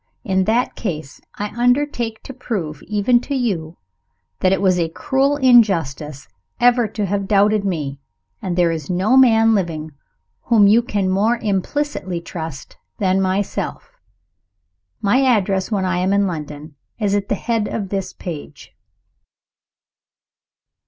In that case, I undertake to prove, even to you, that it was a cruel injustice ever to have doubted me, and that there is no man living whom you can more implicitly trust than myself. My address, when I am in London, is at the head of this page.